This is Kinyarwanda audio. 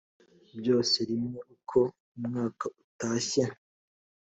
byose rimwe uko umwaka utashye